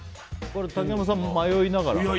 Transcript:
竹山さんも迷いながらだけど。